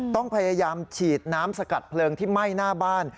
ต้องพยายามฉีดน้ำสกัดเพลิงที่ไหม้หน้าบ้าน